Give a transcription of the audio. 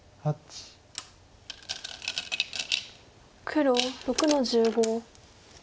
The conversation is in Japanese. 黒６の十五。